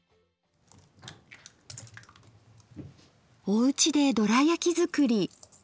おうちでドラやき作り。